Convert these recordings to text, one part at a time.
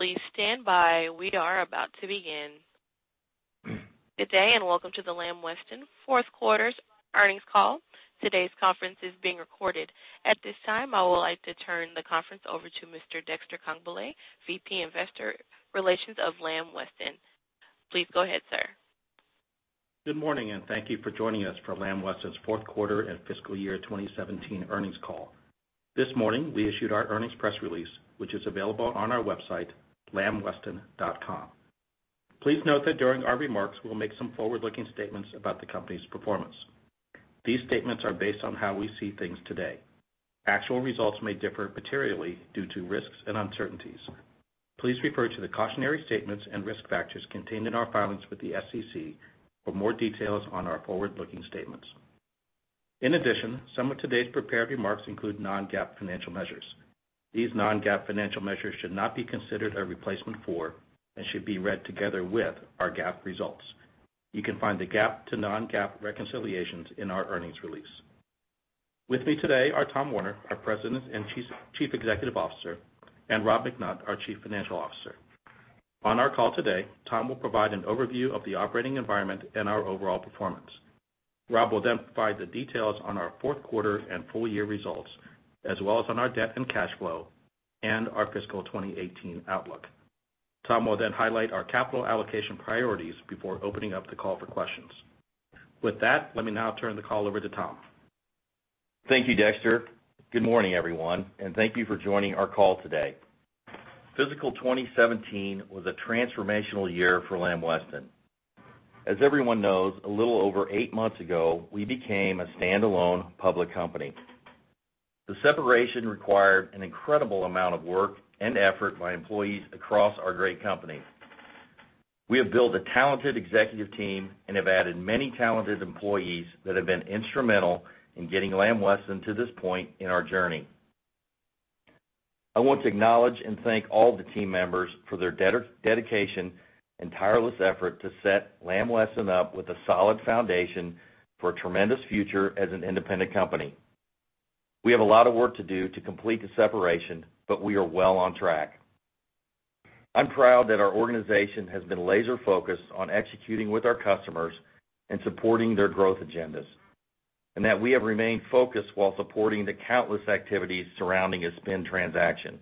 Please stand by. We are about to begin. Good day, welcome to the Lamb Weston fourth quarter earnings call. Today's conference is being recorded. At this time, I would like to turn the conference over to Mr. Dexter Congbalay, VP Investor Relations of Lamb Weston. Please go ahead, sir. Good morning, thank you for joining us for Lamb Weston's fourth quarter and fiscal year 2017 earnings call. This morning, we issued our earnings press release, which is available on our website, lambweston.com. Please note that during our remarks, we'll make some forward-looking statements about the company's performance. These statements are based on how we see things today. Actual results may differ materially due to risks and uncertainties. Please refer to the cautionary statements and risk factors contained in our filings with the SEC for more details on our forward-looking statements. In addition, some of today's prepared remarks include non-GAAP financial measures. These non-GAAP financial measures should not be considered a replacement for and should be read together with our GAAP results. You can find the GAAP to non-GAAP reconciliations in our earnings release. With me today are Tom Werner, our President and Chief Executive Officer, Robert McNutt, our Chief Financial Officer. On our call today, Tom will provide an overview of the operating environment and our overall performance. Rob will provide the details on our fourth quarter and full year results, as well as on our debt and cash flow and our fiscal 2018 outlook. Tom will highlight our capital allocation priorities before opening up the call for questions. Let me now turn the call over to Tom. Thank you, Dexter. Good morning, everyone, thank you for joining our call today. Fiscal 2017 was a transformational year for Lamb Weston. As everyone knows, a little over eight months ago, we became a stand-alone public company. The separation required an incredible amount of work and effort by employees across our great company. We have built a talented executive team and have added many talented employees that have been instrumental in getting Lamb Weston to this point in our journey. I want to acknowledge and thank all the team members for their dedication and tireless effort to set Lamb Weston up with a solid foundation for a tremendous future as an independent company. We have a lot of work to do to complete the separation, we are well on track. I'm proud that our organization has been laser-focused on executing with our customers and supporting their growth agendas, and that we have remained focused while supporting the countless activities surrounding a spin transaction.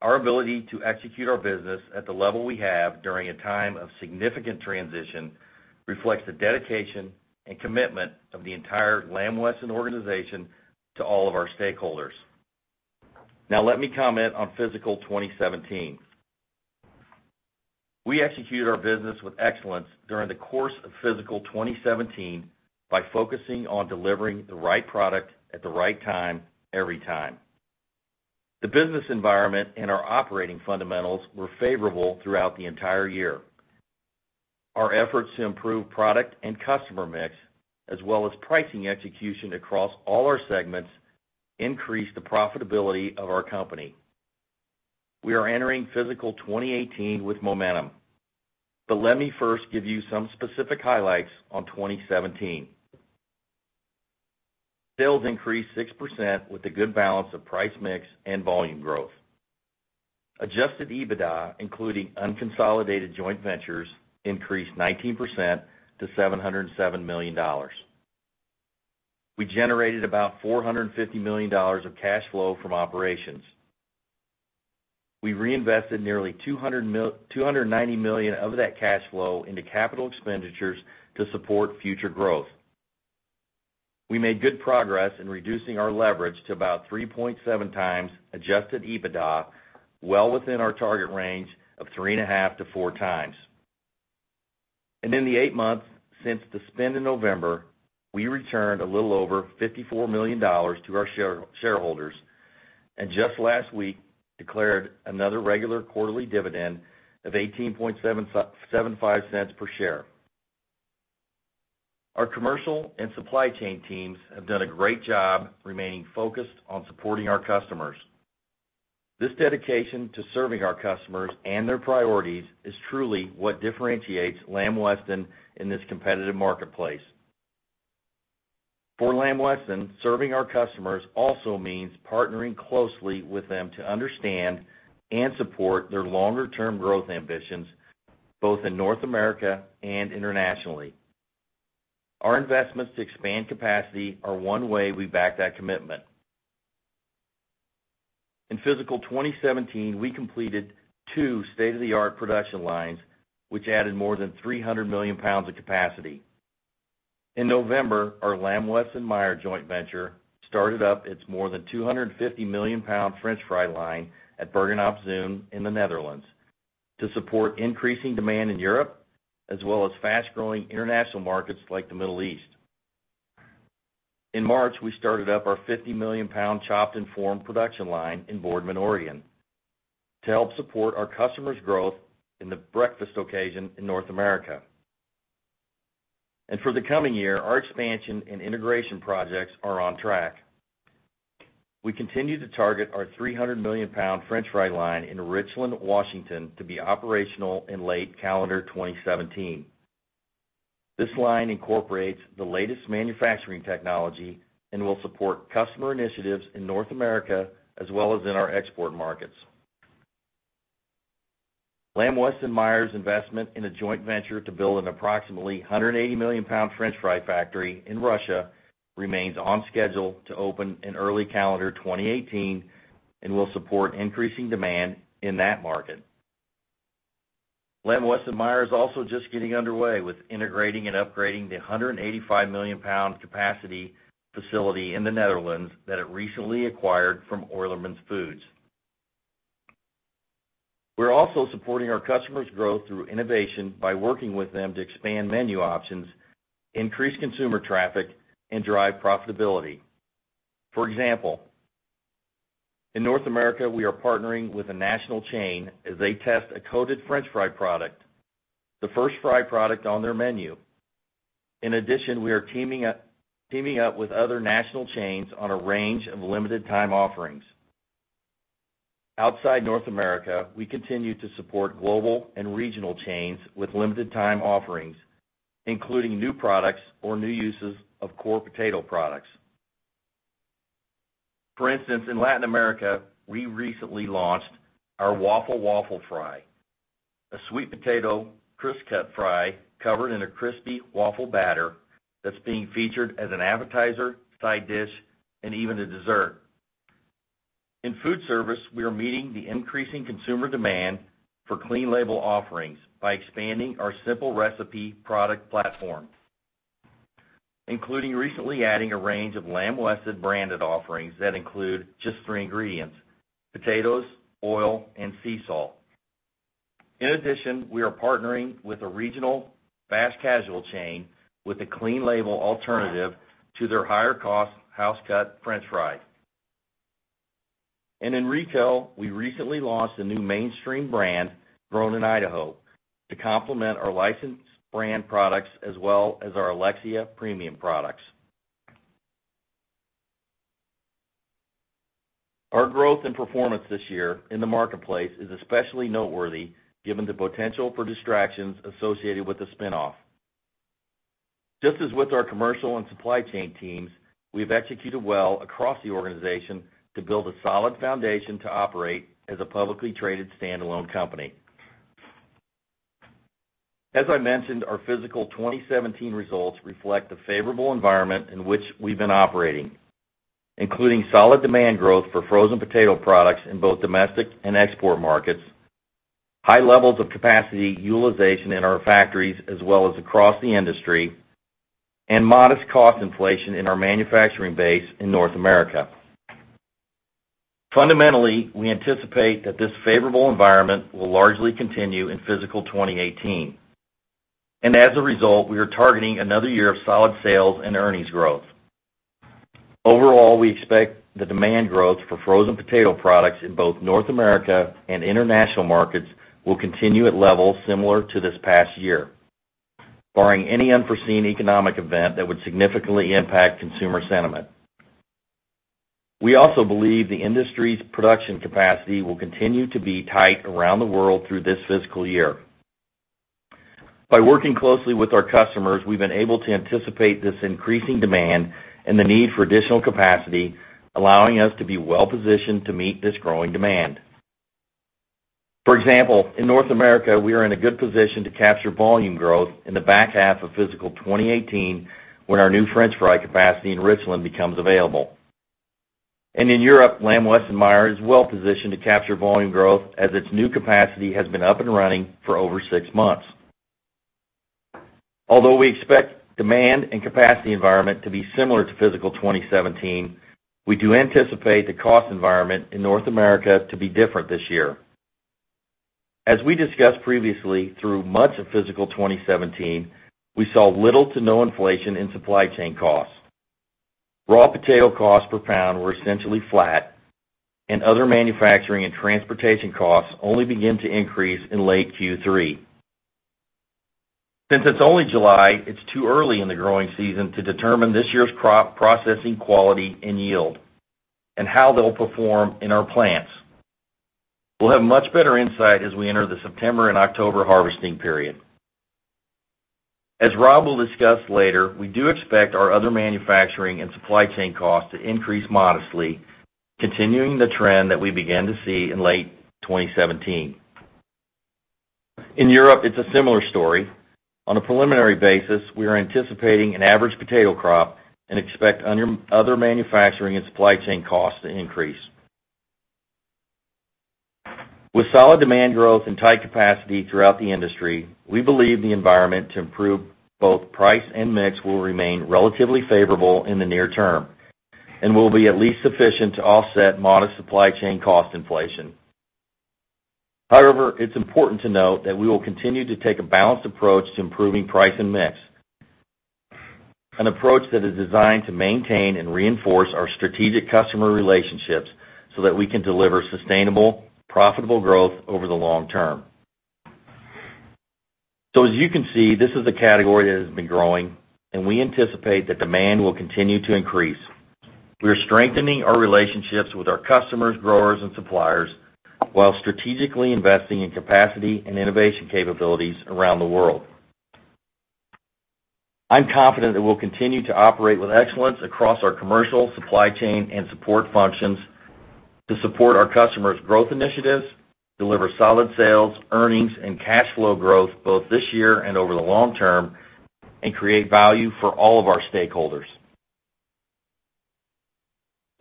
Our ability to execute our business at the level we have during a time of significant transition reflects the dedication and commitment of the entire Lamb Weston organization to all of our stakeholders. Now, let me comment on fiscal 2017. We executed our business with excellence during the course of fiscal 2017 by focusing on delivering the right product at the right time, every time. The business environment and our operating fundamentals were favorable throughout the entire year. Our efforts to improve product and customer mix, as well as pricing execution across all our segments, increased the profitability of our company. We are entering fiscal 2018 with momentum. Let me first give you some specific highlights on 2017. Sales increased 6% with a good balance of price mix and volume growth. Adjusted EBITDA, including unconsolidated joint ventures, increased 19% to $707 million. We generated about $450 million of cash flow from operations. We reinvested nearly $290 million of that cash flow into capital expenditures to support future growth. We made good progress in reducing our leverage to about 3.7 times Adjusted EBITDA, well within our target range of 3.5 to 4 times. In the eight months since the spin in November, we returned a little over $54 million to our shareholders, and just last week declared another regular quarterly dividend of $0.1875 per share. Our commercial and supply chain teams have done a great job remaining focused on supporting our customers. This dedication to serving our customers and their priorities is truly what differentiates Lamb Weston in this competitive marketplace. For Lamb Weston, serving our customers also means partnering closely with them to understand and support their longer-term growth ambitions, both in North America and internationally. Our investments to expand capacity are one way we back that commitment. In fiscal 2017, we completed two state-of-the-art production lines, which added more than 300 million pounds of capacity. In November, our Lamb Weston / Meijer joint venture started up its more than 250-million-pound french fry line at Bergen op Zoom in the Netherlands to support increasing demand in Europe, as well as fast-growing international markets like the Middle East. In March, we started up our 50-million-pound chopped and formed production line in Boardman, Oregon, to help support our customers' growth in the breakfast occasion in North America. For the coming year, our expansion and integration projects are on track. We continue to target our 300 million pound french fry line in Richland, Washington to be operational in late calendar 2017. This line incorporates the latest manufacturing technology and will support customer initiatives in North America, as well as in our export markets. Lamb Weston / Meijer's investment in a joint venture to build an approximately 180 million pound french fry factory in Russia remains on schedule to open in early calendar 2018 and will support increasing demand in that market. Lamb Weston / Meijer is also just getting underway with integrating and upgrading the 185 million pound capacity facility in the Netherlands that it recently acquired from Oerlemans Foods. We're also supporting our customers' growth through innovation by working with them to expand menu options, increase consumer traffic, and drive profitability. For example, in North America, we are partnering with a national chain as they test a coated french fry product, the first fry product on their menu. In addition, we are teaming up with other national chains on a range of limited time offerings. Outside North America, we continue to support global and regional chains with limited time offerings, including new products or new uses of core potato products. For instance, in Latin America, we recently launched our waffle fry, a sweet potato crisp cut fry covered in a crispy waffle batter that's being featured as an appetizer, side dish, and even a dessert. In food service, we are meeting the increasing consumer demand for clean label offerings by expanding our simple recipe product platform, including recently adding a range of Lamb Weston branded offerings that include just three ingredients: potatoes, oil, and sea salt. In addition, we are partnering with a regional fast casual chain with a clean label alternative to their higher cost house cut french fries. In retail, we recently launched a new mainstream brand, Grown in Idaho, to complement our licensed brand products as well as our Alexia premium products. Our growth and performance this year in the marketplace is especially noteworthy given the potential for distractions associated with the spinoff. Just as with our commercial and supply chain teams, we've executed well across the organization to build a solid foundation to operate as a publicly traded standalone company. As I mentioned, our fiscal 2017 results reflect the favorable environment in which we've been operating, including solid demand growth for frozen potato products in both domestic and export markets, high levels of capacity utilization in our factories, as well as across the industry, and modest cost inflation in our manufacturing base in North America. Fundamentally, we anticipate that this favorable environment will largely continue in fiscal 2018. As a result, we are targeting another year of solid sales and earnings growth. Overall, we expect the demand growth for frozen potato products in both North America and international markets will continue at levels similar to this past year, barring any unforeseen economic event that would significantly impact consumer sentiment. We also believe the industry's production capacity will continue to be tight around the world through this fiscal year. By working closely with our customers, we've been able to anticipate this increasing demand and the need for additional capacity, allowing us to be well positioned to meet this growing demand. For example, in North America, we are in a good position to capture volume growth in the back half of fiscal 2018 when our new french fry capacity in Richland becomes available. In Europe, Lamb Weston / Meijer is well positioned to capture volume growth as its new capacity has been up and running for over six months. Although we expect demand and capacity environment to be similar to fiscal 2017, we do anticipate the cost environment in North America to be different this year. As we discussed previously, through much of fiscal 2017, we saw little to no inflation in supply chain costs. Raw potato costs per pound were essentially flat. Other manufacturing and transportation costs only began to increase in late Q3. Since it's only July, it's too early in the growing season to determine this year's crop processing quality and yield, and how they will perform in our plants. We'll have much better insight as we enter the September and October harvesting period. As Rob will discuss later, we do expect our other manufacturing and supply chain costs to increase modestly, continuing the trend that we began to see in late 2017. In Europe, it's a similar story. On a preliminary basis, we are anticipating an average potato crop and expect other manufacturing and supply chain costs to increase. With solid demand growth and tight capacity throughout the industry, we believe the environment to improve both price and mix will remain relatively favorable in the near term and will be at least sufficient to offset modest supply chain cost inflation. However, it's important to note that we will continue to take a balanced approach to improving price and mix, an approach that is designed to maintain and reinforce our strategic customer relationships so that we can deliver sustainable, profitable growth over the long term. As you can see, this is a category that has been growing, and we anticipate that demand will continue to increase. We are strengthening our relationships with our customers, growers, and suppliers, while strategically investing in capacity and innovation capabilities around the world. I'm confident that we'll continue to operate with excellence across our commercial, supply chain, and support functions to support our customers' growth initiatives, deliver solid sales, earnings, and cash flow growth both this year and over the long term, and create value for all of our stakeholders.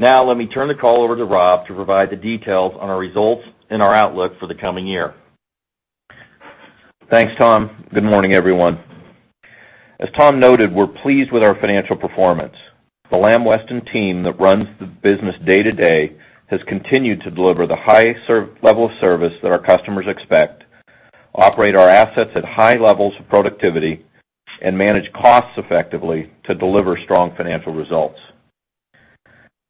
Let me turn the call over to Rob to provide the details on our results and our outlook for the coming year. Thanks, Tom. Good morning, everyone. As Tom noted, we're pleased with our financial performance. The Lamb Weston team that runs the business day to day has continued to deliver the high level of service that our customers expect, operate our assets at high levels of productivity, and manage costs effectively to deliver strong financial results.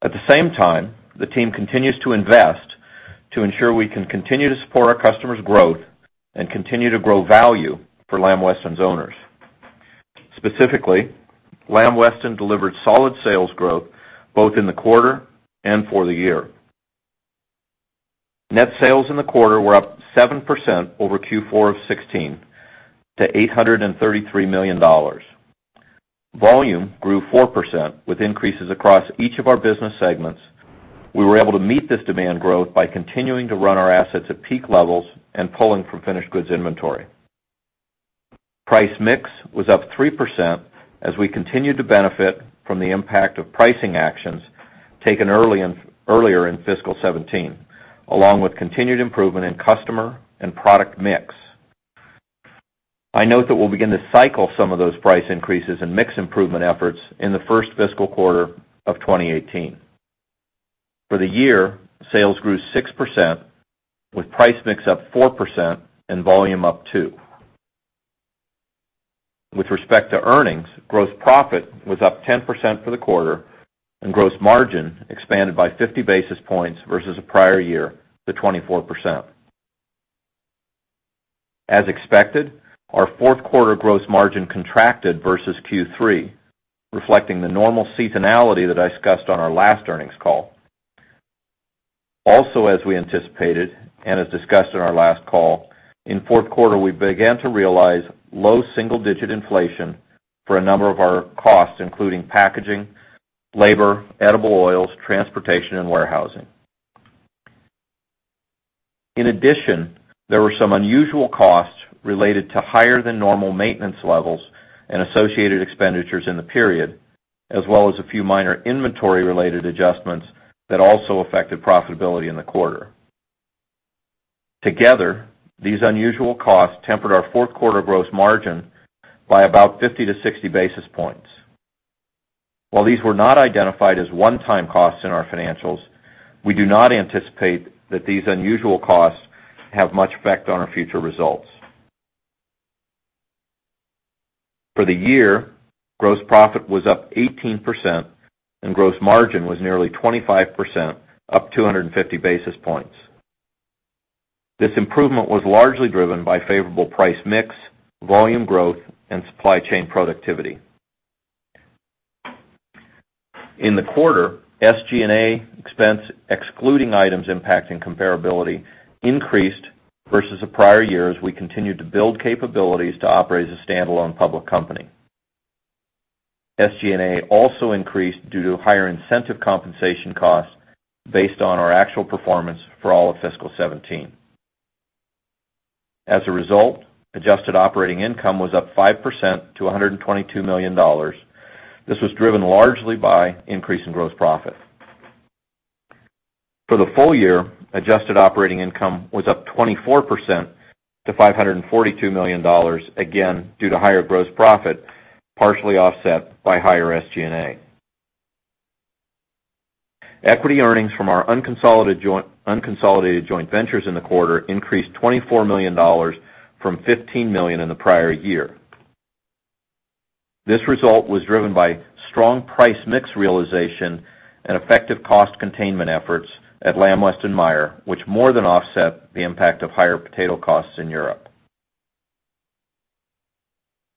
At the same time, the team continues to invest to ensure we can continue to support our customers' growth, and continue to grow value for Lamb Weston's owners. Specifically, Lamb Weston delivered solid sales growth both in the quarter and for the year. Net sales in the quarter were up 7% over Q4 of 2016 to $833 million. Volume grew 4%, with increases across each of our business segments. We were able to meet this demand growth by continuing to run our assets at peak levels and pulling from finished goods inventory. Price mix was up 3% as we continued to benefit from the impact of pricing actions taken earlier in fiscal 2017, along with continued improvement in customer and product mix. I note that we'll begin to cycle some of those price increases and mix improvement efforts in the first fiscal quarter of 2018. For the year, sales grew 6%, with price mix up 4% and volume up 2%. With respect to earnings, gross profit was up 10% for the quarter, and gross margin expanded by 50 basis points versus the prior year to 24%. As expected, our fourth quarter gross margin contracted versus Q3, reflecting the normal seasonality that I discussed on our last earnings call. As we anticipated, as discussed on our last call, in fourth quarter, we began to realize low single-digit inflation for a number of our costs, including packaging, labor, edible oils, transportation, and warehousing. In addition, there were some unusual costs related to higher than normal maintenance levels and associated expenditures in the period, as well as a few minor inventory-related adjustments that also affected profitability in the quarter. Together, these unusual costs tempered our fourth quarter gross margin by about 50 to 60 basis points. While these were not identified as one-time costs in our financials, we do not anticipate that these unusual costs have much effect on our future results. For the year, gross profit was up 18%, and gross margin was nearly 25%, up 250 basis points. This improvement was largely driven by favorable price mix, volume growth, and supply chain productivity. In the quarter, SG&A expense, excluding items impacting comparability, increased versus the prior year as we continued to build capabilities to operate as a standalone public company. SG&A also increased due to higher incentive compensation costs based on our actual performance for all of fiscal 2017. As a result, adjusted operating income was up 5% to $122 million. This was driven largely by increase in gross profit. For the full year, adjusted operating income was up 24% to $542 million, again, due to higher gross profit, partially offset by higher SG&A. Equity earnings from our unconsolidated joint ventures in the quarter increased $24 million from $15 million in the prior year. This result was driven by strong price mix realization and effective cost containment efforts at Lamb Weston / Meijer, which more than offset the impact of higher potato costs in Europe.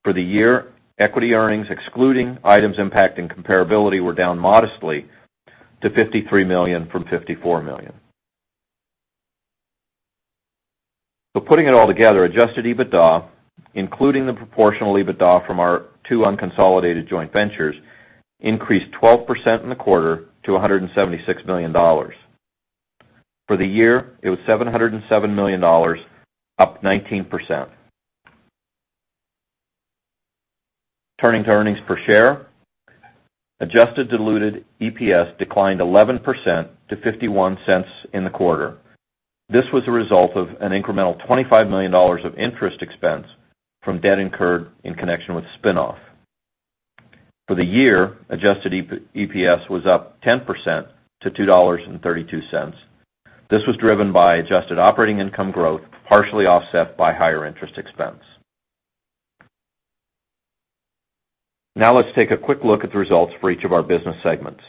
For the year, equity earnings, excluding items impacting comparability, were down modestly to $53 million from $54 million. Putting it all together, adjusted EBITDA, including the proportional EBITDA from our two unconsolidated joint ventures, increased 12% in the quarter to $176 million. For the year, it was $707 million, up 19%. Turning to earnings per share, adjusted diluted EPS declined 11% to $0.51 in the quarter. This was a result of an incremental $25 million of interest expense from debt incurred in connection with the spin-off. For the year, adjusted EPS was up 10% to $2.32. This was driven by adjusted operating income growth, partially offset by higher interest expense. Let's take a quick look at the results for each of our business segments.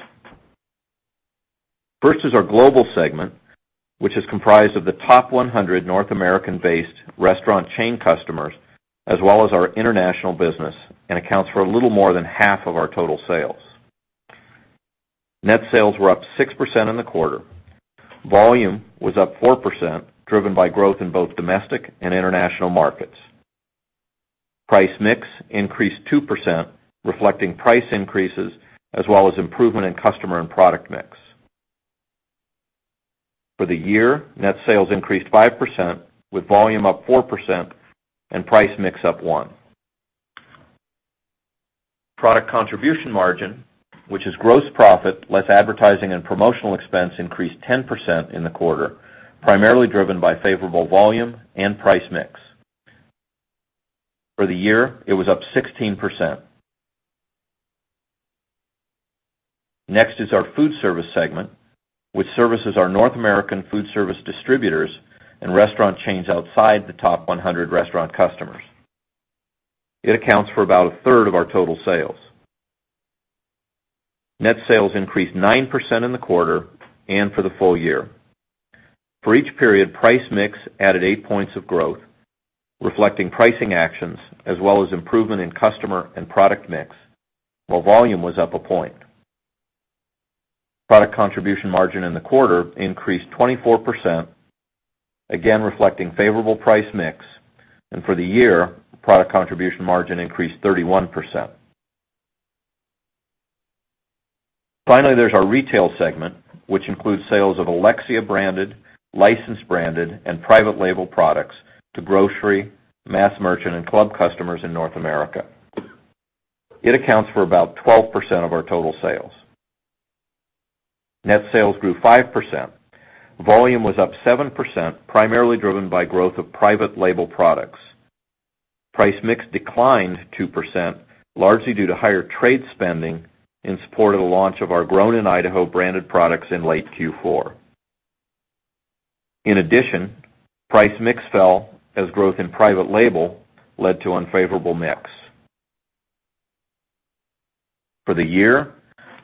First is our global segment, which is comprised of the top 100 North American-based restaurant chain customers, as well as our international business, and accounts for a little more than half of our total sales. Net sales were up 6% in the quarter. Volume was up 4%, driven by growth in both domestic and international markets. Price mix increased 2%, reflecting price increases, as well as improvement in customer and product mix. For the year, net sales increased 5%, with volume up 4%, and price mix up 1%. Product contribution margin, which is gross profit less advertising and promotional expense, increased 10% in the quarter, primarily driven by favorable volume and price mix. For the year, it was up 16%. Next is our food service segment, which services our North American food service distributors and restaurant chains outside the top 100 restaurant customers. It accounts for about a third of our total sales. Net sales increased 9% in the quarter and for the full year. For each period, price mix added 8 points of growth, reflecting pricing actions, as well as improvement in customer and product mix, while volume was up 1 point. Product contribution margin in the quarter increased 24%, again reflecting favorable price mix, and for the year, product contribution margin increased 31%. Finally, there's our retail segment, which includes sales of Alexia branded, license branded, and private label products to grocery, mass merchant, and club customers in North America. It accounts for about 12% of our total sales. Net sales grew 5%. Volume was up 7%, primarily driven by growth of private label products. Price mix declined 2%, largely due to higher trade spending in support of the launch of our Grown in Idaho branded products in late Q4. In addition, price mix fell as growth in private label led to unfavorable mix. For the year,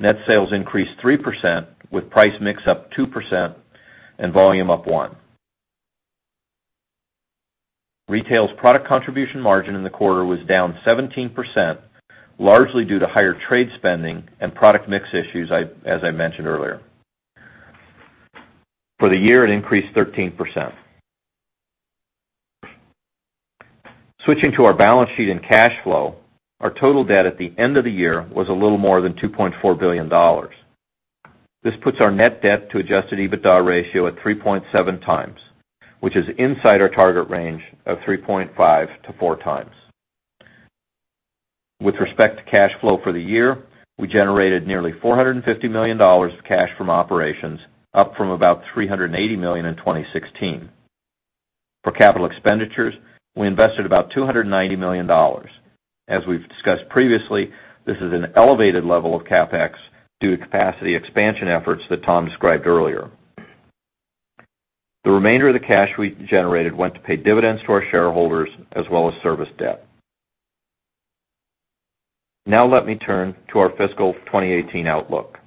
net sales increased 3%, with price mix up 2% and volume up 1%. Retail's product contribution margin in the quarter was down 17%, largely due to higher trade spending and product mix issues, as I mentioned earlier. For the year, it increased 13%. Switching to our balance sheet and cash flow, our total debt at the end of the year was a little more than $2.4 billion. This puts our net debt to adjusted EBITDA ratio at 3.7 times, which is inside our target range of 3.5 to 4 times. With respect to cash flow for the year, we generated nearly $450 million of cash from operations, up from about $380 million in 2016. For capital expenditures, we invested about $290 million. As we've discussed previously, this is an elevated level of CapEx due to capacity expansion efforts that Tom described earlier. The remainder of the cash we generated went to pay dividends to our shareholders as well as service debt. Now let me turn to our fiscal 2018 outlook.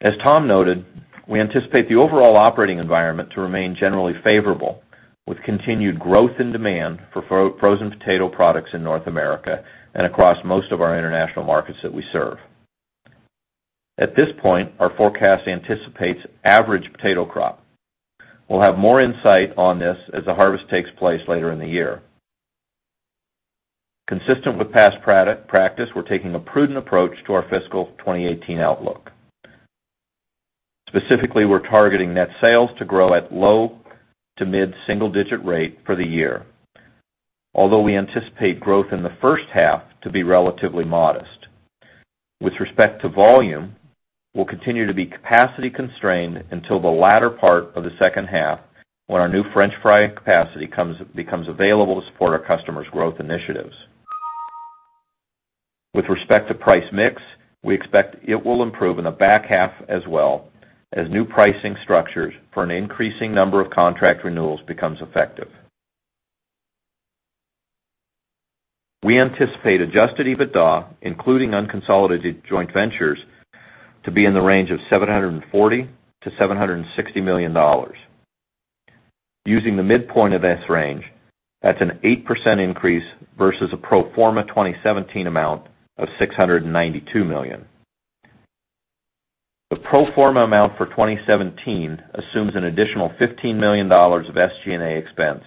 As Tom noted, we anticipate the overall operating environment to remain generally favorable, with continued growth in demand for frozen potato products in North America and across most of our international markets that we serve. At this point, our forecast anticipates average potato crop. We'll have more insight on this as the harvest takes place later in the year. Consistent with past practice, we're taking a prudent approach to our fiscal 2018 outlook. Specifically, we're targeting net sales to grow at low to mid single digit rate for the year, although we anticipate growth in the first half to be relatively modest. With respect to volume, we'll continue to be capacity constrained until the latter part of the second half when our new french fry capacity becomes available to support our customers' growth initiatives. With respect to price mix, we expect it will improve in the back half as well as new pricing structures for an increasing number of contract renewals becomes effective. We anticipate adjusted EBITDA, including unconsolidated joint ventures, to be in the range of $740 million-$760 million. Using the midpoint of this range, that's an 8% increase versus a pro forma 2017 amount of $692 million. The pro forma amount for 2017 assumes an additional $15 million of SG&A expense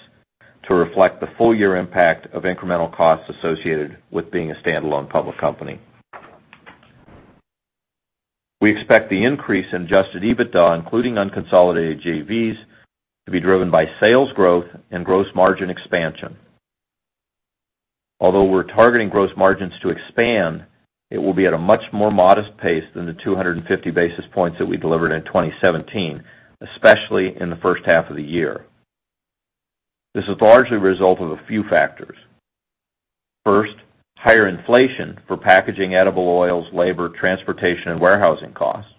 to reflect the full year impact of incremental costs associated with being a standalone public company. We expect the increase in adjusted EBITDA, including unconsolidated JVs, to be driven by sales growth and gross margin expansion. Although we're targeting gross margins to expand, it will be at a much more modest pace than the 250 basis points that we delivered in 2017, especially in the first half of the year. This is largely a result of a few factors. First, higher inflation for packaging edible oils, labor, transportation, and warehousing costs.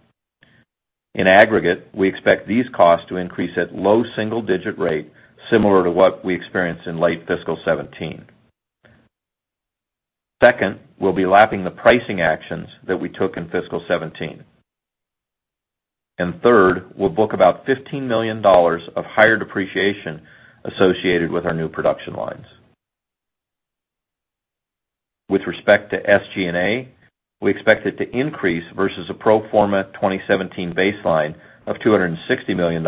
In aggregate, we expect these costs to increase at low single-digit rate, similar to what we experienced in late fiscal 2017. Second, we'll be lapping the pricing actions that we took in fiscal 2017. Third, we'll book about $15 million of higher depreciation associated with our new production lines. With respect to SG&A, we expect it to increase versus a pro forma 2017 baseline of $260 million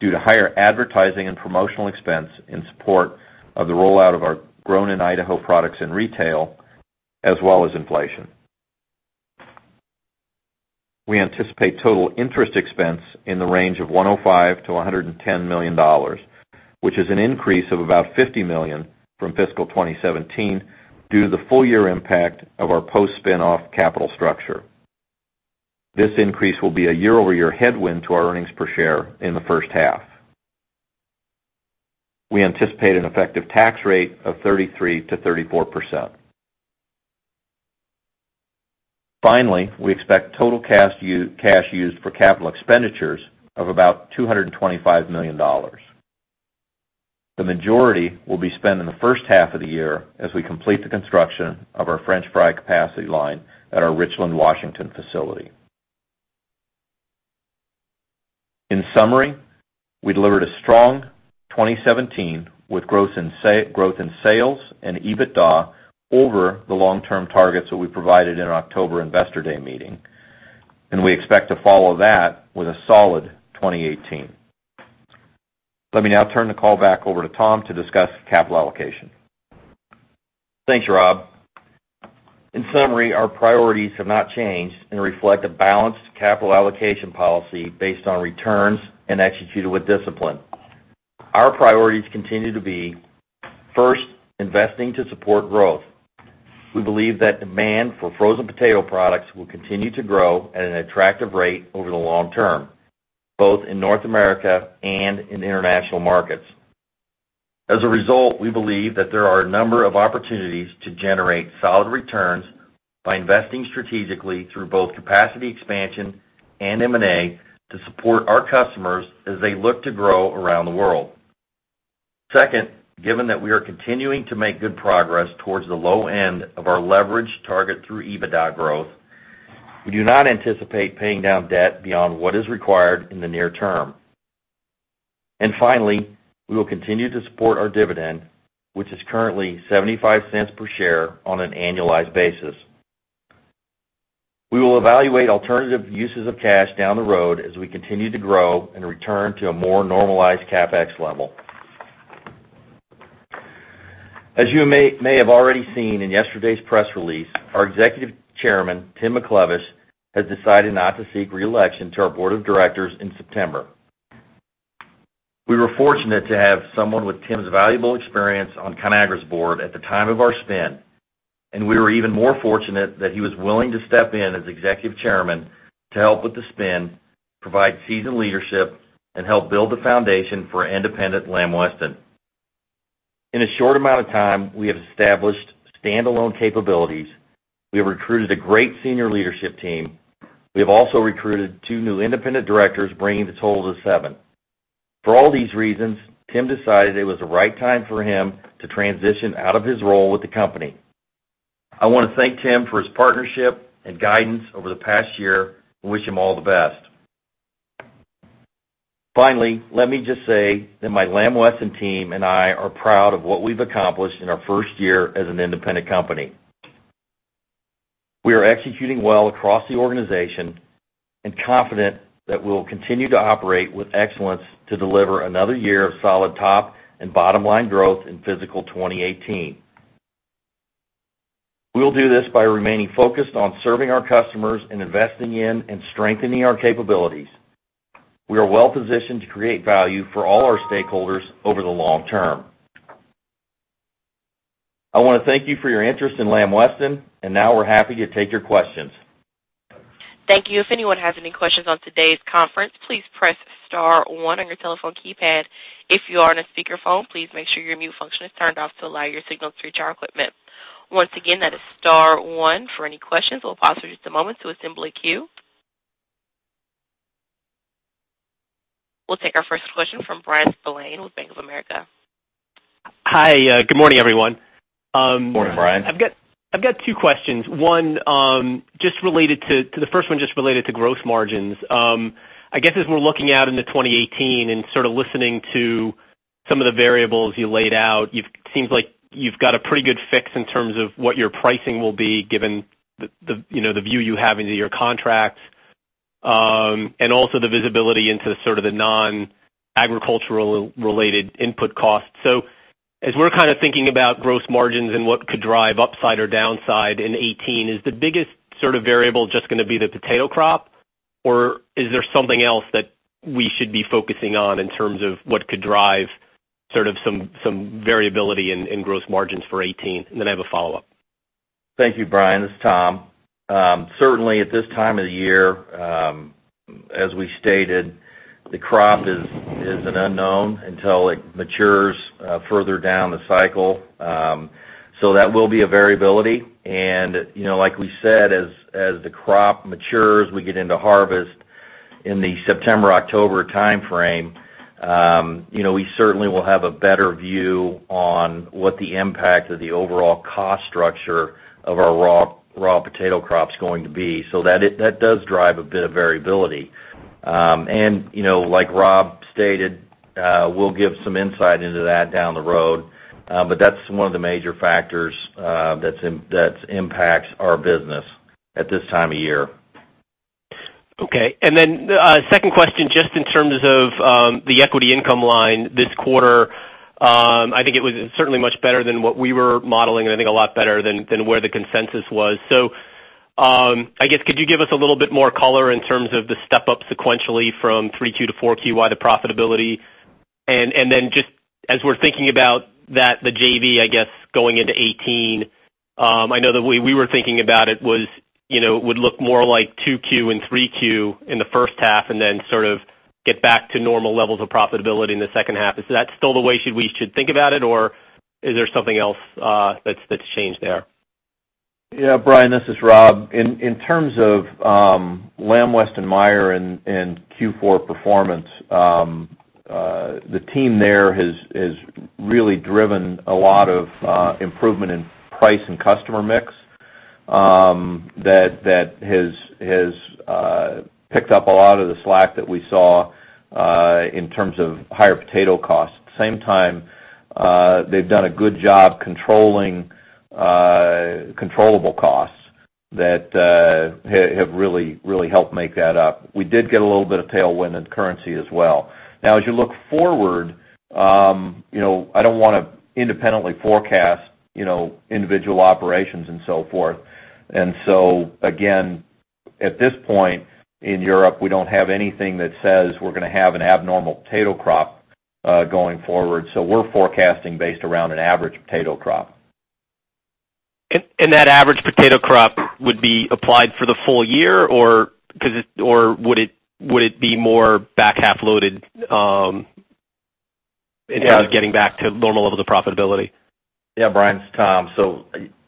due to higher advertising and promotional expense in support of the rollout of our Grown in Idaho products in retail, as well as inflation. We anticipate total interest expense in the range of $105 million-$110 million, which is an increase of about $50 million from fiscal 2017 due to the full year impact of our post-spin-off capital structure. This increase will be a year-over-year headwind to our earnings per share in the first half. We anticipate an effective tax rate of 33%-34%. Finally, we expect total cash used for capital expenditures of about $225 million. The majority will be spent in the first half of the year as we complete the construction of our french fry capacity line at our Richland, Washington facility. In summary, we delivered a strong 2017 with growth in sales and EBITDA over the long-term targets that we provided in our October investor day meeting, and we expect to follow that with a solid 2018. Let me now turn the call back over to Tom to discuss capital allocation. Thanks, Rob. In summary, our priorities have not changed and reflect a balanced capital allocation policy based on returns and executed with discipline. Our priorities continue to be, first, investing to support growth. We believe that demand for frozen potato products will continue to grow at an attractive rate over the long term, both in North America and in the international markets. As a result, we believe that there are a number of opportunities to generate solid returns by investing strategically through both capacity expansion and M&A to support our customers as they look to grow around the world. Second, given that we are continuing to make good progress towards the low end of our leverage target through EBITDA growth, we do not anticipate paying down debt beyond what is required in the near term. Finally, we will continue to support our dividend, which is currently $0.75 per share on an annualized basis. We will evaluate alternative uses of cash down the road as we continue to grow and return to a more normalized CapEx level. As you may have already seen in yesterday's press release, our Executive Chairman, Timothy McLevish, has decided not to seek re-election to our board of directors in September. We were fortunate to have someone with Tim's valuable experience on Conagra's board at the time of our spin, and we were even more fortunate that he was willing to step in as Executive Chairman to help with the spin, provide seasoned leadership, and help build the foundation for independent Lamb Weston. In a short amount of time, we have established standalone capabilities. We have recruited a great senior leadership team. We have also recruited two new independent directors, bringing the total to seven. For all these reasons, Tim decided it was the right time for him to transition out of his role with the company. I want to thank Tim for his partnership and guidance over the past year and wish him all the best. Finally, let me just say that my Lamb Weston team and I are proud of what we've accomplished in our first year as an independent company. We are executing well across the organization and confident that we will continue to operate with excellence to deliver another year of solid top and bottom-line growth in fiscal 2018. We will do this by remaining focused on serving our customers and investing in and strengthening our capabilities. We are well positioned to create value for all our stakeholders over the long term. I want to thank you for your interest in Lamb Weston, now we're happy to take your questions. Thank you. If anyone has any questions on today's conference, please press *1 on your telephone keypad. If you are on a speakerphone, please make sure your mute function is turned off to allow your signal to reach our equipment. Once again, that is *1 for any questions. We'll pause for just a moment to assemble a queue. We'll take our first question from Bryan Spillane with Bank of America. Hi. Good morning, everyone. Good morning, Bryan. I've got two questions. The first one just related to gross margins. I guess as we're looking out into 2018 and sort of listening to some of the variables you laid out, it seems like you've got a pretty good fix in terms of what your pricing will be, given the view you have into your contracts, and also the visibility into the non-agricultural related input costs. As we're thinking about gross margins and what could drive upside or downside in 2018, is the biggest variable just going to be the potato crop, or is there something else that we should be focusing on in terms of what could drive some variability in gross margins for 2018? I have a follow-up. Thank you, Bryan. This is Tom. Certainly, at this time of the year, as we stated, the crop is an unknown until it matures further down the cycle. That will be a variability, and like we said, as the crop matures, we get into harvest in the September, October timeframe. We certainly will have a better view on what the impact of the overall cost structure of our raw potato crop's going to be. That does drive a bit of variability. Like Rob stated, we'll give some insight into that down the road. That's one of the major factors that impacts our business at this time of year. Okay. Second question, just in terms of the equity income line this quarter, I think it was certainly much better than what we were modeling, and I think a lot better than where the consensus was. I guess could you give us a little bit more color in terms of the step-up sequentially from Q3 to Q4, why the profitability? Just as we're thinking about that, the JV, I guess, going into 2018, I know the way we were thinking about it would look more like Q2 and Q3 in the first half, and then sort of get back to normal levels of profitability in the second half. Is that still the way we should think about it, or is there something else that's changed there? Yeah, Bryan, this is Rob. In terms of Lamb Weston / Meijer in Q4 performance, the team there has really driven a lot of improvement in price and customer mix that has picked up a lot of the slack that we saw in terms of higher potato costs. At the same time, they've done a good job controlling controllable costs that have really helped make that up. We did get a little bit of tailwind in currency as well. As you look forward, I don't want to independently forecast individual operations and so forth. Again, at this point in Europe, we don't have anything that says we're going to have an abnormal potato crop going forward. We're forecasting based around an average potato crop. That average potato crop would be applied for the full year, or would it be more back-half loaded in terms of getting back to normal levels of profitability? Bryan, it's Tom.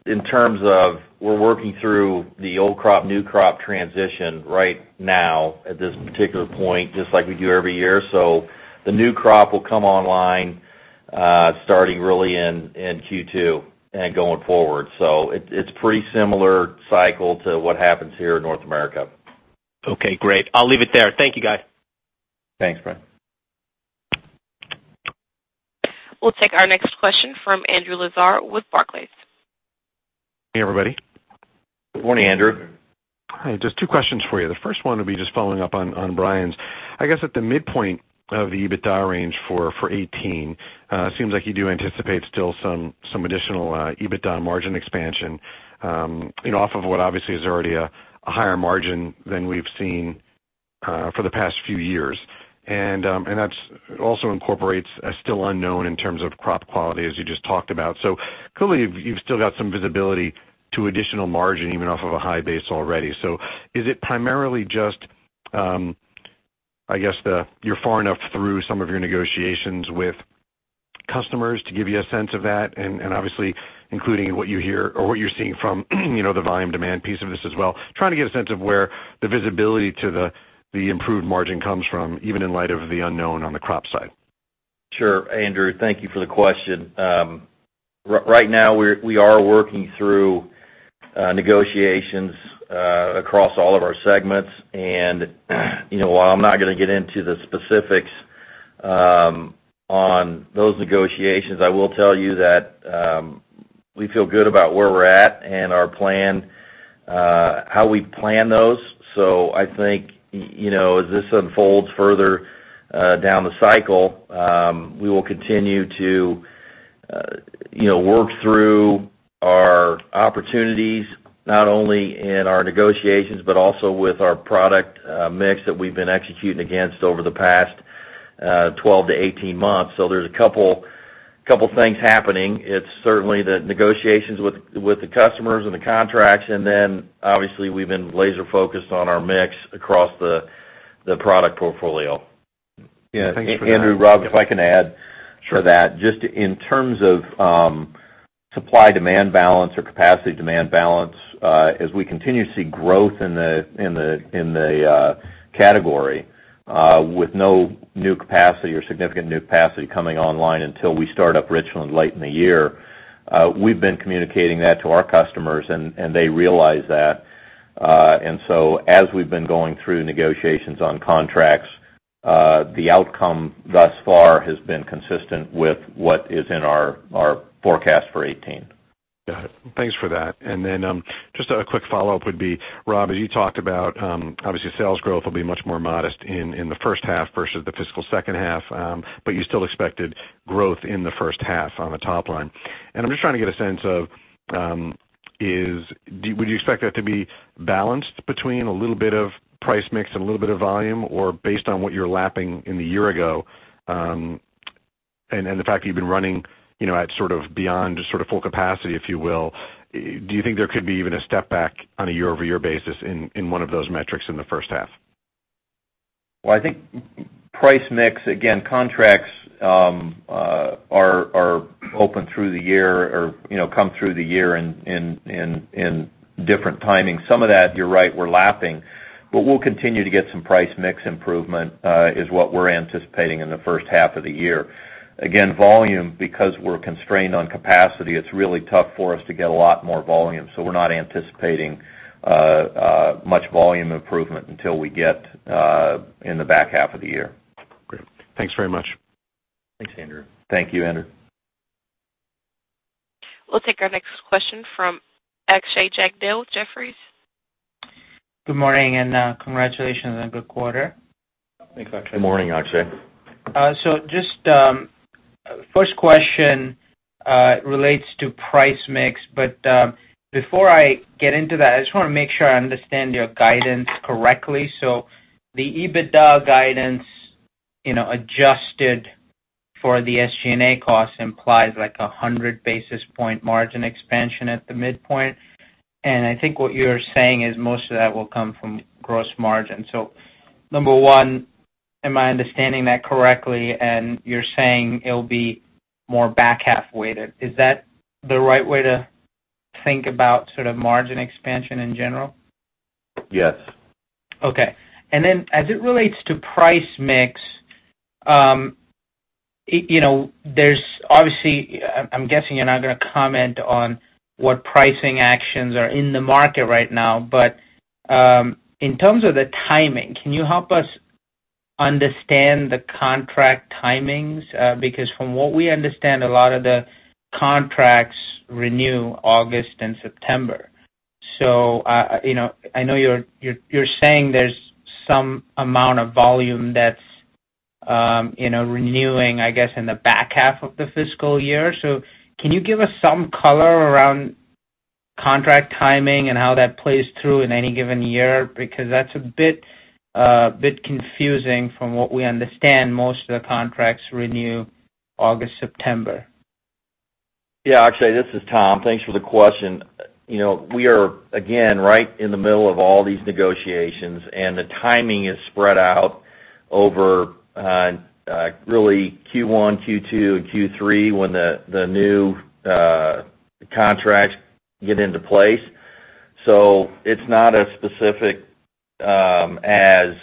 In terms of we're working through the old crop, new crop transition right now at this particular point, just like we do every year. The new crop will come online starting really in Q2 and going forward. It's pretty similar cycle to what happens here in North America. Okay, great. I'll leave it there. Thank you, guys. Thanks, Bryan. We'll take our next question from Andrew Lazar with Barclays. Hey, everybody. Good morning, Andrew. Hi. Just two questions for you. The first one will be just following up on Bryan's. I guess at the midpoint of the EBITDA range for 2018, it seems like you do anticipate still some additional EBITDA margin expansion off of what obviously is already a higher margin than we've seen for the past few years. That also incorporates a still unknown in terms of crop quality as you just talked about. Clearly, you've still got some visibility to additional margin, even off of a high base already. Is it primarily just, I guess, you're far enough through some of your negotiations with customers to give you a sense of that? Obviously including what you hear or what you're seeing from the volume demand piece of this as well. Trying to get a sense of where the visibility to the improved margin comes from, even in light of the unknown on the crop side. Sure, Andrew, thank you for the question. Right now, we are working through negotiations across all of our segments. While I'm not going to get into the specifics on those negotiations, I will tell you that we feel good about where we're at and how we plan those. I think as this unfolds further down the cycle, we will continue to work through our opportunities, not only in our negotiations, but also with our product mix that we've been executing against over the past 12 to 18 months. There's a couple things happening. It's certainly the negotiations with the customers and the contracts, and then obviously we've been laser-focused on our mix across the product portfolio. Thanks for that. Andrew, Rob, if I can add to that. Sure. Just in terms of supply-demand balance or capacity demand balance, as we continue to see growth in the category with no new capacity or significant new capacity coming online until we start up Richland late in the year, we've been communicating that to our customers, and they realize that. As we've been going through negotiations on contracts, the outcome thus far has been consistent with what is in our forecast for 2018. Got it. Thanks for that. Just a quick follow-up would be, Rob, as you talked about, obviously sales growth will be much more modest in the first half versus the fiscal second half, but you still expected growth in the first half on the top line. I'm just trying to get a sense of, would you expect that to be balanced between a little bit of price mix and a little bit of volume, or based on what you're lapping in the year-ago. The fact that you've been running at sort of beyond just sort of full capacity, if you will, do you think there could be even a step back on a year-over-year basis in one of those metrics in the first half? Well, I think price mix, again, contracts are open through the year or come through the year in different timing. Some of that, you're right, we're lapping. We'll continue to get some price mix improvement, is what we're anticipating in the first half of the year. Again, volume, because we're constrained on capacity, it's really tough for us to get a lot more volume. We're not anticipating much volume improvement until we get in the back half of the year. Great. Thanks very much. Thanks, Andrew. Thank you, Andrew. We'll take our next question from Akshay Jagdale, Jefferies. Good morning, congratulations on a good quarter. Thanks, Akshay. Good morning, Akshay. Just first question relates to price mix. Before I get into that, I just want to make sure I understand your guidance correctly. The EBITDA guidance, adjusted for the SG&A cost implies like 100 basis point margin expansion at the midpoint. I think what you're saying is most of that will come from gross margin. Number one, am I understanding that correctly, and you're saying it'll be more back half weighted? Is that the right way to think about sort of margin expansion in general? Yes. Okay. Then as it relates to price mix, there's obviously, I'm guessing you're not going to comment on what pricing actions are in the market right now. In terms of the timing, can you help us understand the contract timings? Because from what we understand, a lot of the contracts renew August and September. I know you're saying there's some amount of volume that's renewing, I guess, in the back half of the fiscal year. Can you give us some color around contract timing and how that plays through in any given year? Because that's a bit confusing from what we understand. Most of the contracts renew August, September. Yeah, Akshay, this is Tom. Thanks for the question. We are, again, right in the middle of all these negotiations, the timing is spread out over really Q1, Q2, and Q3 when the new contracts get into place. It's not as specific as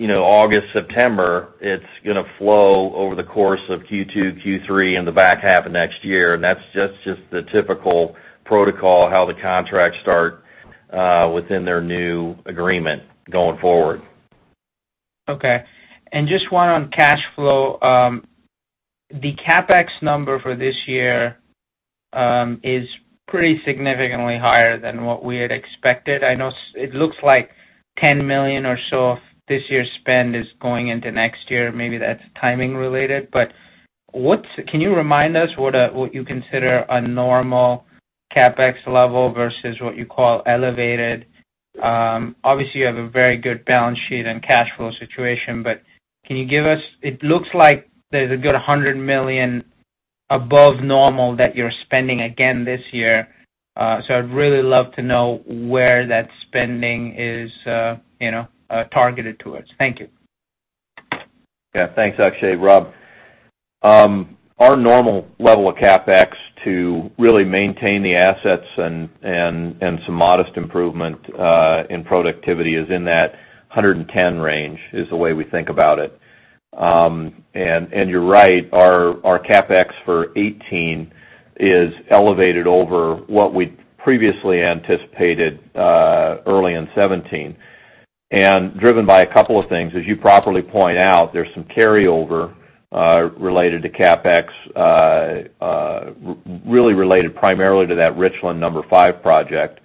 August, September. It's going to flow over the course of Q2, Q3, and the back half of next year. That's just the typical protocol, how the contracts start within their new agreement going forward. Okay. Just one on cash flow. The CapEx number for this year is pretty significantly higher than what we had expected. I know it looks like $10 million or so of this year's spend is going into next year. Maybe that's timing related. Can you remind us what you consider a normal CapEx level versus what you call elevated? Obviously, you have a very good balance sheet and cash flow situation. Can you give us. It looks like there's a good $100 million above normal that you're spending again this year. I'd really love to know where that spending is targeted towards. Thank you. Yeah. Thanks, Akshay. Rob. Our normal level of CapEx to really maintain the assets and some modest improvement in productivity is in that $110 million range, is the way we think about it. You're right, our CapEx for 2018 is elevated over what we previously anticipated early in 2017, and driven by a couple of things. As you properly point out, there's some carryover related to CapEx, really related primarily to that Richland number 5 project.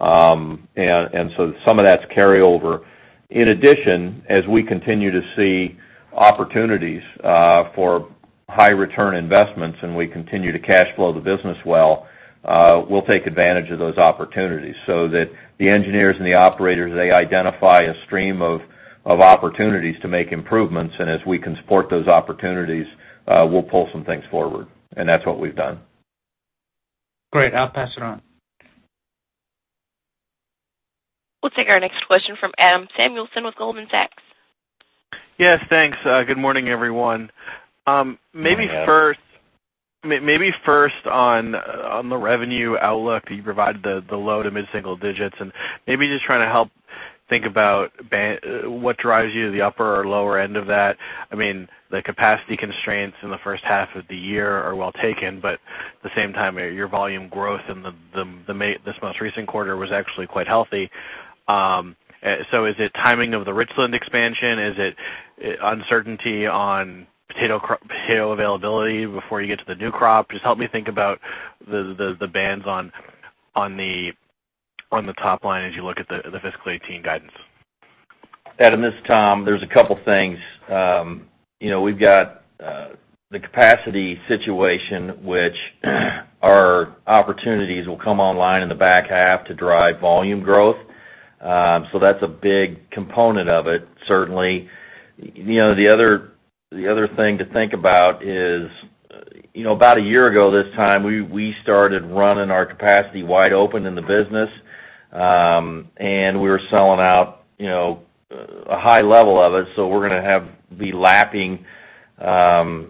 Some of that's carryover. In addition, as we continue to see opportunities for high return investments and we continue to cash flow the business well, we'll take advantage of those opportunities so that the engineers and the operators, they identify a stream of opportunities to make improvements, and as we can support those opportunities, we'll pull some things forward. That's what we've done. Great. I'll pass it on. We'll take our next question from Adam Samuelson with Goldman Sachs. Yes, thanks. Good morning, everyone. Morning, Adam. Maybe first on the revenue outlook, you provided the low- to mid-single digits, just trying to help think about what drives you to the upper or lower end of that. The capacity constraints in the first half of the year are well taken, at the same time, your volume growth in this most recent quarter was actually quite healthy. Is it timing of the Richland expansion? Is it uncertainty on potato availability before you get to the new crop? Just help me think about the bands on the top line as you look at the fiscal 2018 guidance. Adam, this is Tom. There's a couple things. We've got the capacity situation, which our opportunities will come online in the back half to drive volume growth. That's a big component of it, certainly. The other thing to think about is, about a year ago this time, we started running our capacity wide open in the business, we were selling out a high level of it. We're going to be lapping some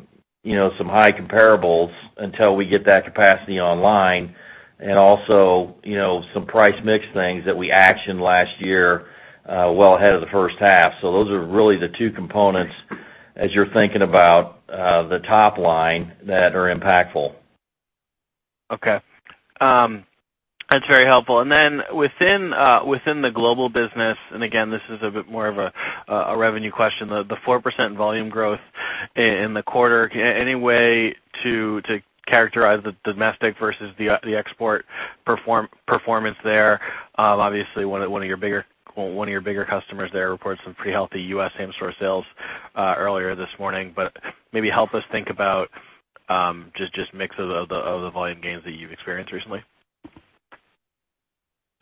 high comparables until we get that capacity online. Also, some price mix things that we actioned last year well ahead of the first half. Those are really the two components as you're thinking about the top line that are impactful. Okay. That's very helpful. Within the global business, again, this is a bit more of a revenue question, the 4% volume growth in the quarter, any way to characterize the domestic versus the export performance there? Obviously, one of your bigger customers there reports some pretty healthy U.S. same-store sales earlier this morning, maybe help us think about just mix of the volume gains that you've experienced recently.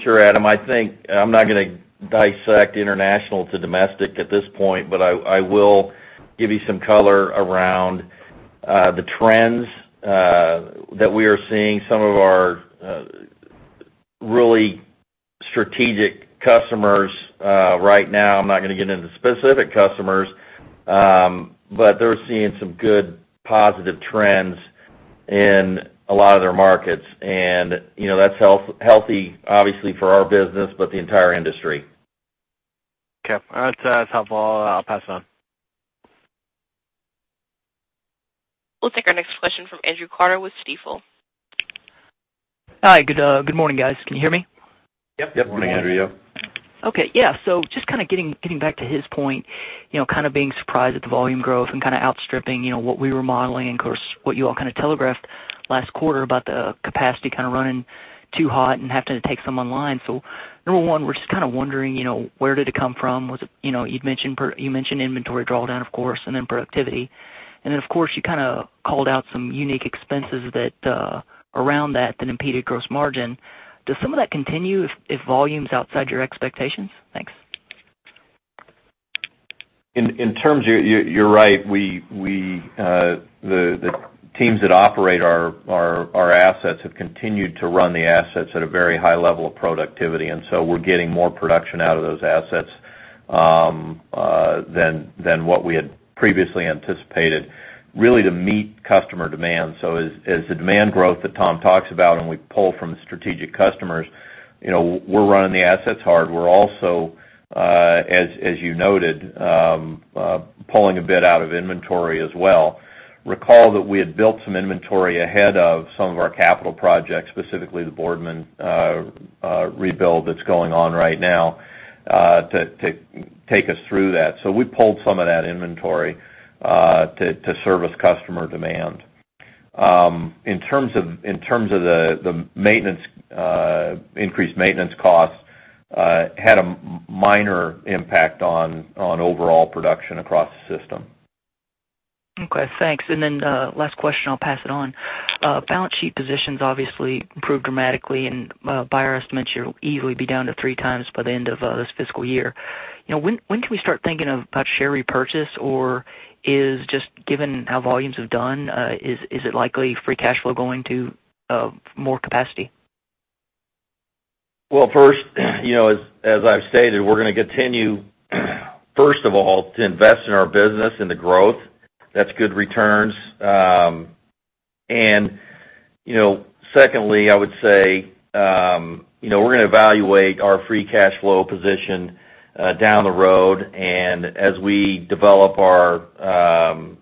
Sure, Adam. I think I'm not going to dissect international to domestic at this point, but I will give you some color around the trends that we are seeing. Some of our really strategic customers right now, I'm not going to get into specific customers, but they're seeing some good positive trends in a lot of their markets, and that's healthy, obviously, for our business, but the entire industry. Okay. That's helpful. I'll pass it on. We'll take our next question from Andrew Carter with Stifel. Hi. Good morning, guys. Can you hear me? Yep. Yep. Good morning, Andrew. Okay. Yeah. Just kind of getting back to his point, kind of being surprised at the volume growth and kind of outstripping what we were modeling and of course, what you all kind of telegraphed last quarter about the capacity kind of running too hot and having to take some online. So number one, we're just kind of wondering, where did it come from? You mentioned inventory drawdown, of course, and then productivity. And then, of course, you kind of called out some unique expenses around that impeded gross margin. Does some of that continue if volume's outside your expectations? Thanks. In terms, you're right. The teams that operate our assets have continued to run the assets at a very high level of productivity. We're getting more production out of those assets than what we had previously anticipated, really to meet customer demand. As the demand growth that Tom talks about, and we pull from strategic customers, we're running the assets hard. We're also, as you noted, pulling a bit out of inventory as well. Recall that we had built some inventory ahead of some of our capital projects, specifically the Boardman rebuild that's going on right now, to take us through that. We pulled some of that inventory to service customer demand. In terms of the increased maintenance costs, had a minor impact on overall production across the system. Okay, thanks. Last question, I'll pass it on. Balance sheet positions obviously improved dramatically, and by our estimates, you'll easily be down to 3 times by the end of this fiscal year. When can we start thinking about share repurchase, or just given how volumes have done, is it likely free cash flow going to more capacity? Well, first, as I've stated, we're going to continue to invest in our business and the growth. That's good returns. Secondly, I would say, we're going to evaluate our free cash flow position down the road, and as we develop our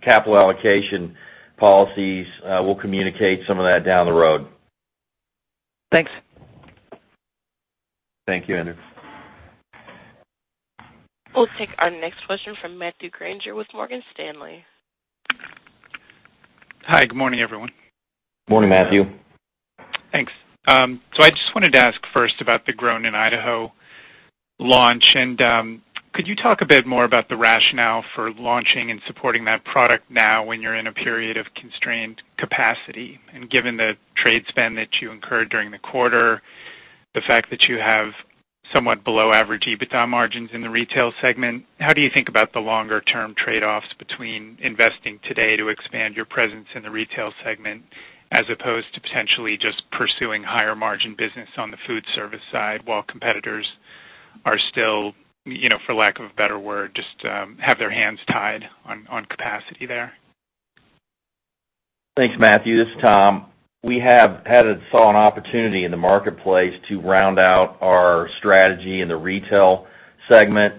capital allocation policies, we'll communicate some of that down the road. Thanks. Thank you, Andrew. We'll take our next question from Matthew Grainger with Morgan Stanley. Hi. Good morning, everyone. Morning, Matthew. Thanks. I just wanted to ask first about the Grown in Idaho launch. Could you talk a bit more about the rationale for launching and supporting that product now when you're in a period of constrained capacity? Given the trade spend that you incurred during the quarter, the fact that you have somewhat below average EBITDA margins in the retail segment, how do you think about the longer-term trade-offs between investing today to expand your presence in the retail segment, as opposed to potentially just pursuing higher margin business on the food service side while competitors are still, for lack of a better word, just have their hands tied on capacity there? Thanks, Matthew. This is Tom. We have had saw an opportunity in the marketplace to round out our strategy in the retail segment.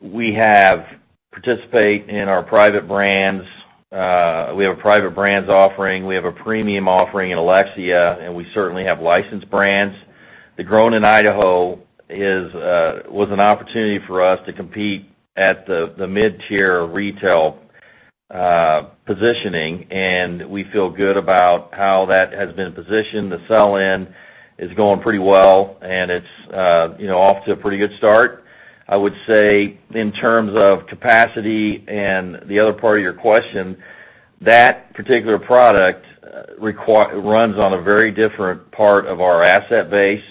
We have participate in our private brands. We have a private brands offering. We have a premium offering in Alexia, and we certainly have licensed brands. The Grown in Idaho was an opportunity for us to compete at the mid-tier retail positioning, and we feel good about how that has been positioned. The sell-in is going pretty well, and it's off to a pretty good start. I would say in terms of capacity and the other part of your question, that particular product Runs on a very different part of our asset base.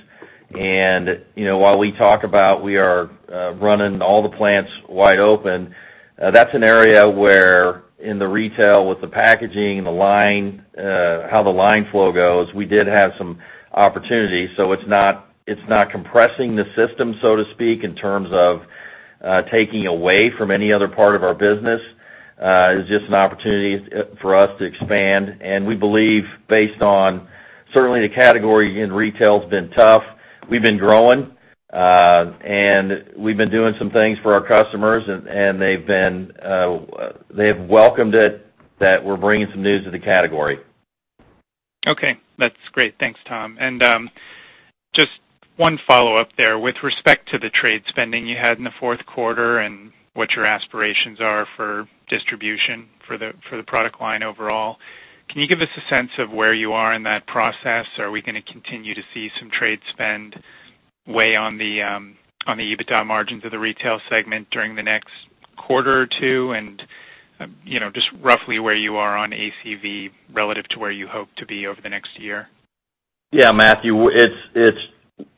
While we talk about we are running all the plants wide open, that's an area where in the retail with the packaging, how the line flow goes, we did have some opportunities. It's not compressing the system, so to speak, in terms of taking away from any other part of our business. It's just an opportunity for us to expand. We believe based on certainly the category in retail has been tough. We've been growing, and we've been doing some things for our customers, and they've welcomed it, that we're bringing some news to the category. Okay. That's great. Thanks, Tom. Just one follow-up there. With respect to the trade spending you had in the fourth quarter and what your aspirations are for distribution for the product line overall, can you give us a sense of where you are in that process? Are we going to continue to see some trade spend weigh on the EBITDA margins of the retail segment during the next quarter or two? Just roughly where you are on ACV relative to where you hope to be over the next year? Yeah, Matthew, it's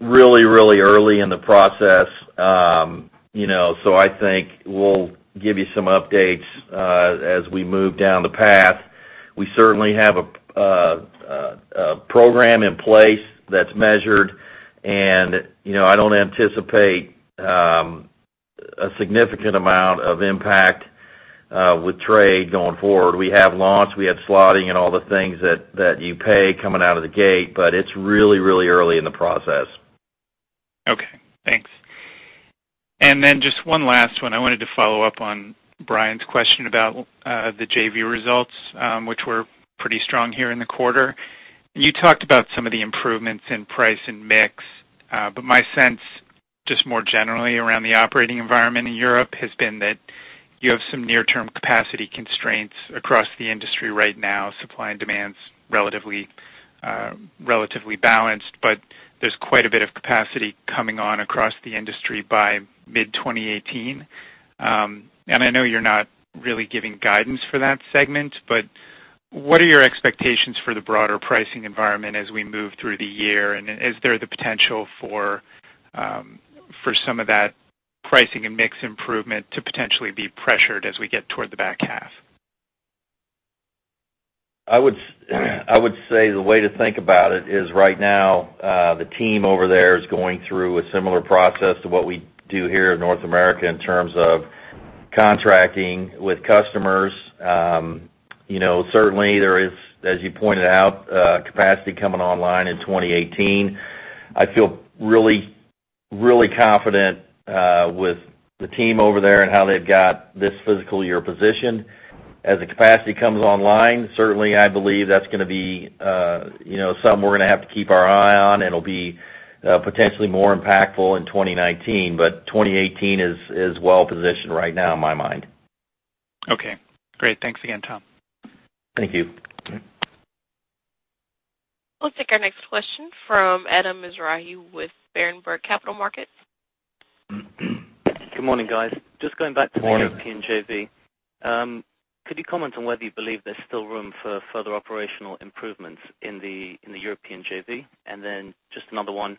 really, really early in the process. I think we'll give you some updates, as we move down the path. We certainly have a program in place that's measured. I don't anticipate a significant amount of impact with trade going forward. We have launch, we have slotting and all the things that you pay coming out of the gate, it's really, really early in the process. Okay, thanks. Just one last one. I wanted to follow up on Bryan's question about the JV results, which were pretty strong here in the quarter. You talked about some of the improvements in price and mix. My sense, just more generally around the operating environment in Europe, has been that you have some near-term capacity constraints across the industry right now. Supply and demand's relatively balanced. There's quite a bit of capacity coming on across the industry by mid-2018. I know you're not really giving guidance for that segment, but what are your expectations for the broader pricing environment as we move through the year? Is there the potential for some of that pricing and mix improvement to potentially be pressured as we get toward the back half? I would say the way to think about it is right now, the team over there is going through a similar process to what we do here in North America in terms of contracting with customers. Certainly there is, as you pointed out, capacity coming online in 2018. I feel really, really confident with the team over there and how they've got this fiscal year positioned. As the capacity comes online, certainly I believe that's going to be something we're going to have to keep our eye on, and it'll be potentially more impactful in 2019. 2018 is well positioned right now in my mind. Okay, great. Thanks again, Tom. Thank you. We'll take our next question from Adam Mizrahi with Berenberg Capital Markets. Good morning, guys. Morning. Just going back to the European JV. Could you comment on whether you believe there's still room for further operational improvements in the European JV? Just another one.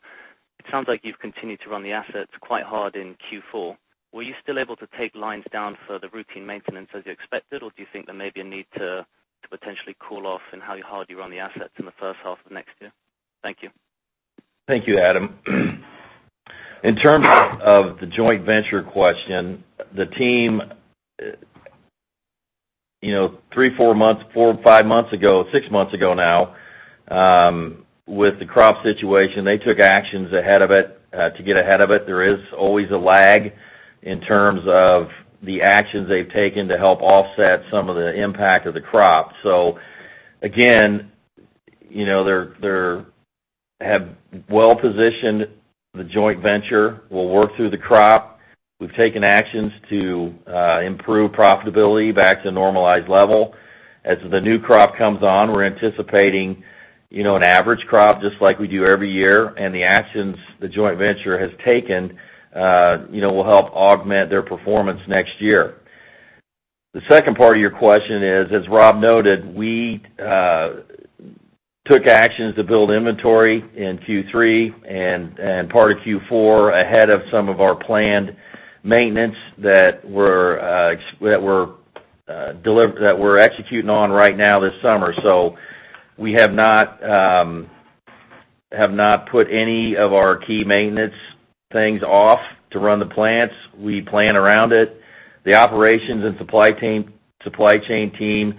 It sounds like you've continued to run the assets quite hard in Q4. Were you still able to take lines down for the routine maintenance as you expected, or do you think there may be a need to potentially cool off in how hard you run the assets in the first half of next year? Thank you. Thank you, Adam. In terms of the joint venture question, the team, three, four months, four, five months ago, six months ago now, with the crop situation, they took actions to get ahead of it. There is always a lag in terms of the actions they've taken to help offset some of the impact of the crop. Again, they have well-positioned the joint venture. We'll work through the crop. We've taken actions to improve profitability back to normalized level. As the new crop comes on, we're anticipating an average crop just like we do every year, the actions the joint venture has taken will help augment their performance next year. The second part of your question is, as Rob noted, we took actions to build inventory in Q3 and part of Q4 ahead of some of our planned maintenance that we're executing on right now this summer. We have not put any of our key maintenance things off to run the plants. We plan around it. The operations and supply chain team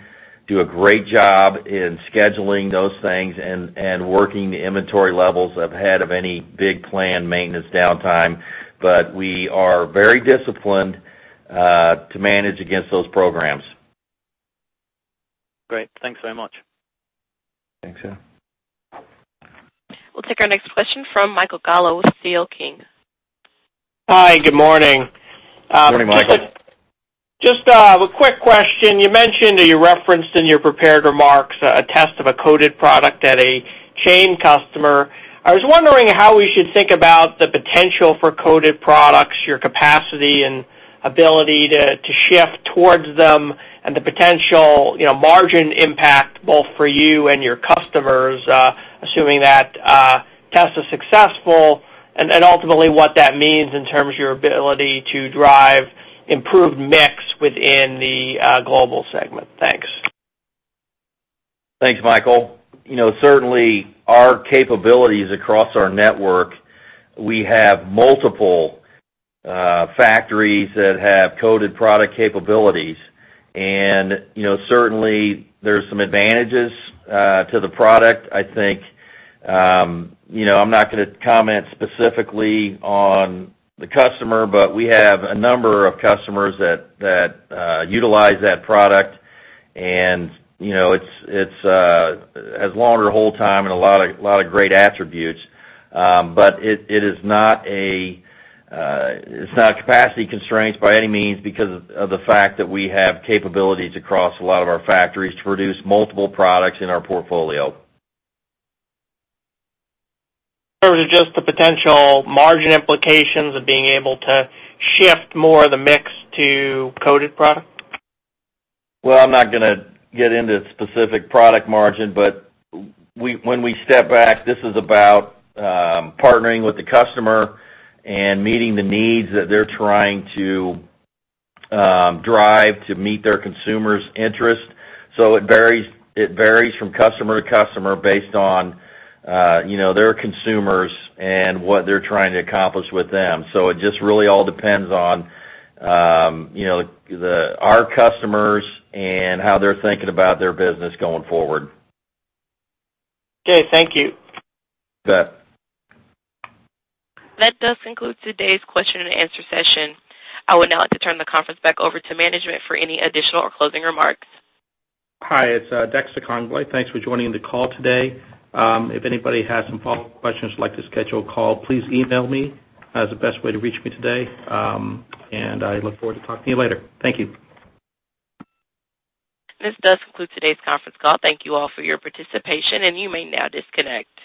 do a great job in scheduling those things and working the inventory levels ahead of any big planned maintenance downtime. We are very disciplined to manage against those programs. Great. Thanks very much. Thanks. We'll take our next question from Michael Gallo with C.L. King & Associates. Hi, good morning. Good morning, Michael. Just a quick question. You mentioned or you referenced in your prepared remarks a test of a coated product at a chain customer. I was wondering how we should think about the potential for coated products, your capacity and ability to shift towards them and the potential margin impact both for you and your customers, assuming that test is successful, and ultimately what that means in terms of your ability to drive improved mix within the global segment. Thanks. Thanks, Michael. Certainly, our capabilities across our network, we have multiple factories that have coated product capabilities. Certainly, there's some advantages to the product. I'm not going to comment specifically on the customer, we have a number of customers that utilize that product, it has longer hold time and a lot of great attributes. It's not a capacity constraint by any means because of the fact that we have capabilities across a lot of our factories to produce multiple products in our portfolio. Is it just the potential margin implications of being able to shift more of the mix to coated product? I'm not going to get into specific product margin, when we step back, this is about partnering with the customer and meeting the needs that they're trying to drive to meet their consumers' interest. It varies from customer to customer based on their consumers and what they're trying to accomplish with them. It just really all depends on our customers and how they're thinking about their business going forward. Okay. Thank you. You bet. That does conclude today's question and answer session. I would now like to turn the conference back over to management for any additional or closing remarks. Hi, it's Dexter Congbalay. Thanks for joining the call today. If anybody has some follow-up questions or would like to schedule a call, please email me as the best way to reach me today. I look forward to talking to you later. Thank you. This does conclude today's conference call. Thank you all for your participation, and you may now disconnect.